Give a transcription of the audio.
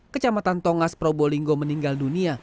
kecamatan tongas probolinggo meninggal dunia